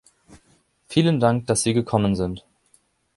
Vielen Dank, dass Sie gekommen sind.